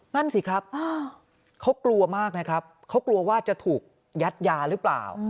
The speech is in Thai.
นั่นสิครับเขากลัวมากนะครับเขากลัวว่าจะถูกยัดยาหรือเปล่า